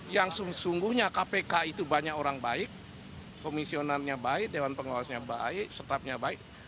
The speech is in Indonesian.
yang sungguhnya kpk itu banyak orang baik komisionarnya baik dewan pengawasnya baik setapnya baik